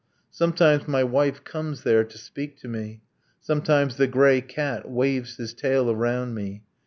. Sometimes my wife comes there to speak to me ... Sometimes the grey cat waves his tail around me